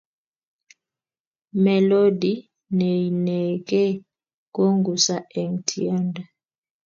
melodi neinekei kongusa eng tiendo